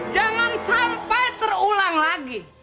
jangan sampai terulang lagi